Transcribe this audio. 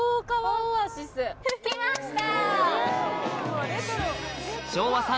着きました！